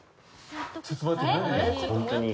ちょっと待って。